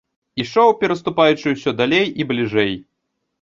Ішоў, пераступаючы ўсё далей і бліжэй.